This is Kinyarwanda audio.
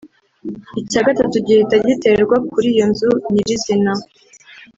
icya gatatu gihita giterwa kuri iyo nzu nyirizina